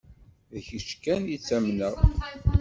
D kečč kan i ttamneɣ.